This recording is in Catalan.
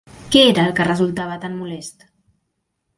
Què era el que resultava tan molest?